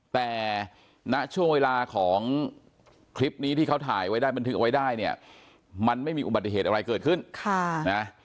แต่ณช่วงเวลาของคลิปนี้ที่เขาถ่ายไว้ได้บันทึกไว้ได้เนี่ยมันไม่มีอุบัติเหตุอะไรเกิดขึ้นค่ะนะ